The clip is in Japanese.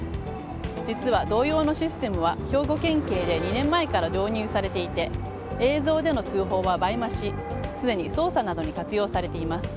実は同様のシステムは兵庫県警で２年前から導入されていて映像での通報は倍増しすでに捜査などに活用されています。